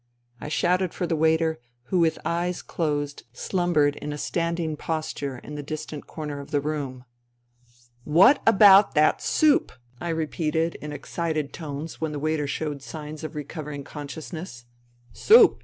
I shouted for the waiter, who with eyes closed slumbered in a stand ing posture in the distant corner of the room. " What about that soup?" repeated in excited tones when the waiter showed signs of recovering con sciousness. " Soup